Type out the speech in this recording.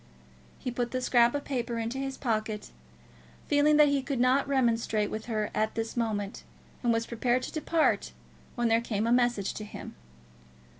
He put the scrap of paper into his pocket, feeling that he could not remonstrate with her at this moment, and was prepared to depart, when there came a message to him.